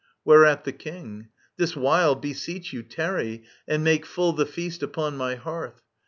Whereat the king : This while, beseech you, tarry, and make full The feast upon my hearth.